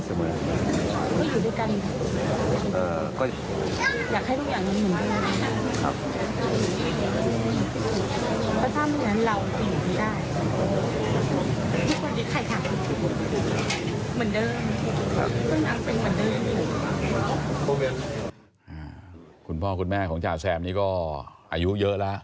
คุณพ่อคุณแม่ของจ่าแซมนี้ก็อายุเยอะแล้ว